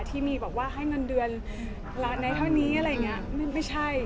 ที่มีแบบว่าให้เงินเดือนละในเท่านี้อะไรอย่างนี้ไม่ใช่